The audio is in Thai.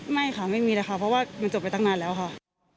ไม่ค่ะไม่มีเลยค่ะเพราะว่ามันจบไปตั้งนานแล้วค่ะ